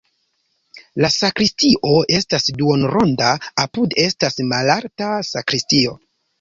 La sakristio estas duonronda, apude estas malalta sakristio.